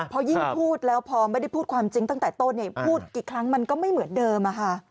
พอยิ่งพูดแล้วพอไม่ได้พูดความจริงตั้งแต่ต้นพูดกี่ครั้งมันก็ไม่เหมือนเดิม